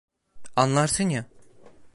Anlarsın ya.